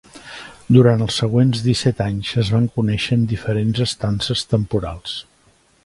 Durant els següents disset anys es van conèixer en diferents estances temporals.